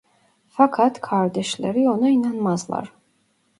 Fakat kardeşleri ona inanmazlar.